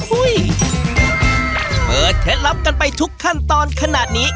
เผื่อเทลาไปทุกขั้นตอนขนาดนี้